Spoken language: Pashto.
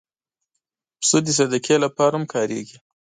پسه د صدقې لپاره هم کارېږي.